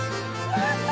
やった！